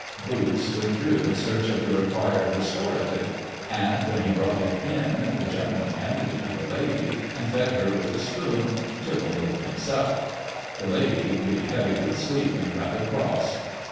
Boots withdrew in search of the required restorative, and, when he brought it in, the gentleman handed it to the lady, and fed her with a spoon, and took a little himself; the lady being heavy with sleep, and rather cross.